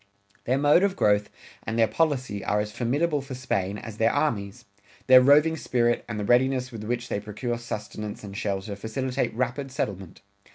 Their mode of growth and their policy are as formidable for Spain as their armies. ... Their roving spirit and the readiness with which they procure sustenance and shelter facilitate rapid settlement.